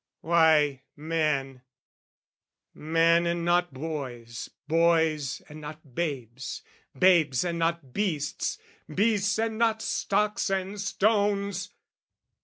Why, men men and not boys boys and not babes Babes and not beasts beasts and not stocks and stones!